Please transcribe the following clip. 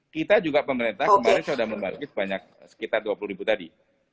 kita juga pemerintah kemarin sudah membagi sebanyak sekitar dua puluh ribu tadi